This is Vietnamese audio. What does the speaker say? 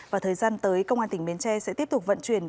và thời gian tới công an tỉnh bến tre sẽ tiếp tục vận chuyển